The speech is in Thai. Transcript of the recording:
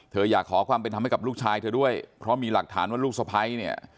อยากขอความเป็นธรรมให้กับลูกชายเธอด้วยเพราะมีหลักฐานว่าลูกสะพ้ายเนี่ย